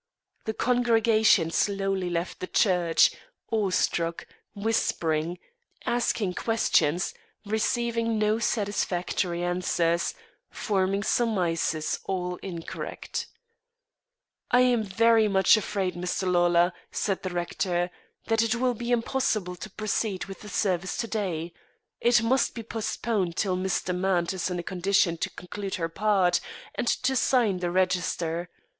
The congregation slowly left the church, awestruck, whispering, asking questions, receiving no satisfactory answers, forming surmises all incorrect. "I am very much afraid, Mr. Lawlor," said the rector, "that it will be impossible to proceed with the service to day; it must be postponed till Miss Demant is in a condition to conclude her part, and to sign the register.